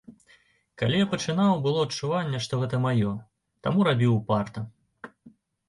Калі я пачынаў, было адчуванне, што гэта маё, таму рабіў упарта.